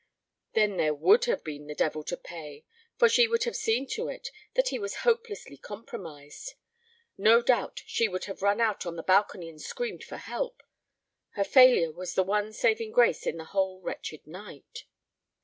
Then there would have been the devil to pay, for she would have seen to it that he was hopelessly compromised. No doubt she would have run out on the balcony and screamed for help. Her failure was the one saving grace in the whole wretched night.